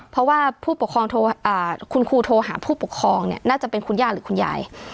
เพราะว่าผู้ปกครองคุณครูโทรหาผู้ปกครองเนี่ยน่าจะเป็นคุณย่าหรือคุณยาย